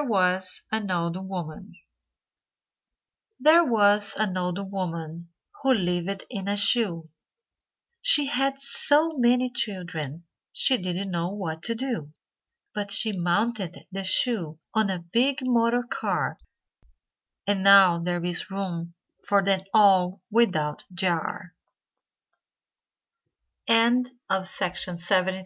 [Illustration: Harvey Peake] _There was an old woman Who lived in a shoe, She had so many children She didn't know what to do. But she mounted the shoe On a big motor car, And now there is room For them all without jar._ LITTLE SIR CAT Little Sir Ca